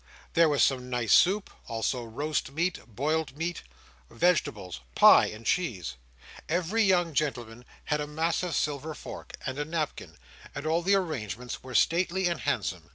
There was some nice soup; also roast meat, boiled meat, vegetables, pie, and cheese. Every young gentleman had a massive silver fork, and a napkin; and all the arrangements were stately and handsome.